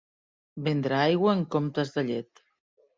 Vendre aigua en comptes de llet.